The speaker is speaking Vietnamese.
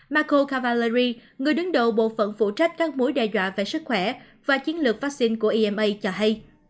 marco cavallari người đứng đầu bộ phận phụ trách các mũi đe dọa về sức khỏe và chiến lược vaccine của ema cho hay